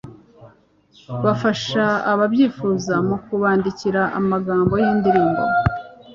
bafasha ababyifuza mu kubandikira amagambo y'indirimbo